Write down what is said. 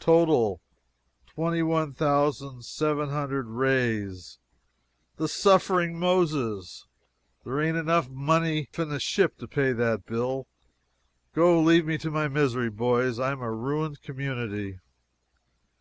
"'TOTAL, TWENTY ONE THOUSAND SEVEN HUNDRED REIS!' The suffering Moses! There ain't money enough in the ship to pay that bill! Go leave me to my misery, boys, I am a ruined community."